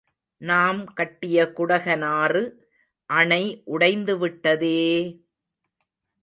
நாம் கட்டிய குடகனாறு அணை உடைந்துவிட்டதே!